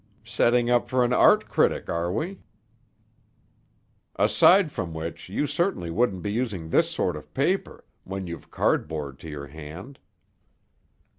"Setting up for an art critic, are we?" "Aside from which you certainly wouldn't be using this sort of paper, when you've cardboard to your hand."